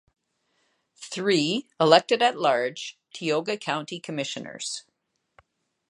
Three, elected at large, Tioga County Commissioners.